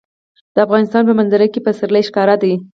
د افغانستان په منظره کې پسرلی ښکاره ده.